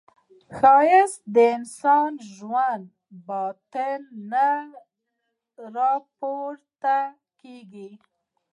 ښایست د انسان له ژور باطن نه راپورته کېږي